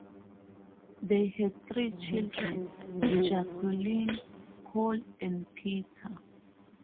They had three children: Jacqueline, Paul, and Peter.